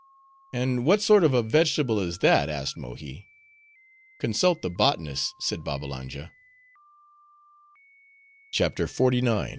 "And what sort of a vegetable is that?" asked Mohi. "Consult the botanists," said Babbalanja. CHAPTER XLIX.